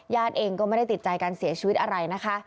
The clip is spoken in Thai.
เองก็ไม่ได้ติดใจการเสียชีวิตอะไรนะคะ